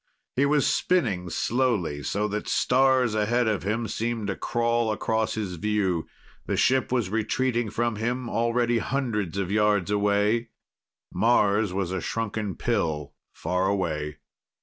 He was spinning slowly, so that stars ahead of him seemed to crawl across his view. The ship was retreating from him already hundreds of yards away. Mars was a shrunken pill far away.